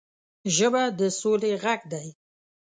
ژبه د سولې غږ دی